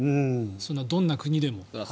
どんな国でも。